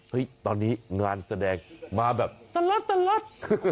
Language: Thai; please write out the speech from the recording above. เฮ้ยตอนนี้งานแสดงมาแบบตะลัด